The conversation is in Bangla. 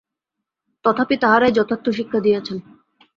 তথাপি তাঁহারাই যথার্থ শিক্ষা দিয়াছেন।